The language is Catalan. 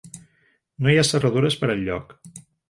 No hi ha serradures per enlloc.